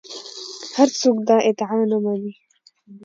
هر څوک دا ادعا نه مني